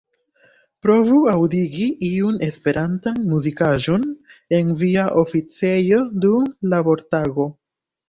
Provu aŭdigi iun Esperantan muzikaĵon en via oficejo dum labortago.